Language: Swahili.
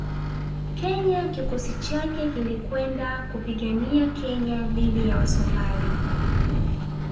Kenya kikosi chake kilikwenda kupigania Kenya dhidi ya Wasomali